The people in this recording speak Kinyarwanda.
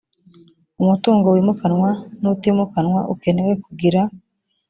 umutungo wimukanwa n utimukanwa ukenewe kugira